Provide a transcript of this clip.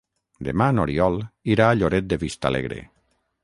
Demà n'Oriol irà a Lloret de Vistalegre.